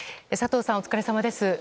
佐藤さん、お疲れさまです。